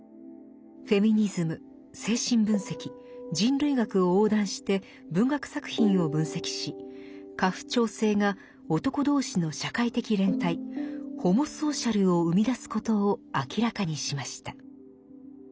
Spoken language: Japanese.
フェミニズム精神分析人類学を横断して文学作品を分析し家父長制が男同士の社会的連帯ホモソーシャルを生み出すことを明らかにしました。